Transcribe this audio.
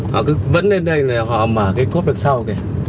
họ cứ vẫn lên đây họ mở cái cốp đằng sau kìa